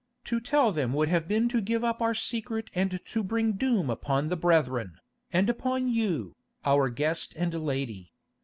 To tell them would have been to give up our secret and to bring doom upon the brethren, and upon you, our guest and lady.